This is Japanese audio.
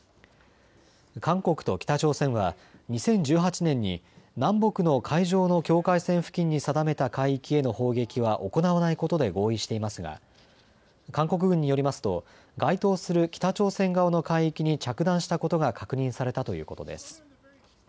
韓国と北朝鮮は２０１８年に南北の海上の境界線付近に定めた海域への砲撃は行わないことで合意していますが韓国軍によりますと該当する北朝鮮側の海域に着弾したことが確認されたということです。